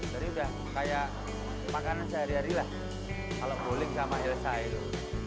jadi sudah kayak makanan sehari harilah kalau bowling sama elsa itu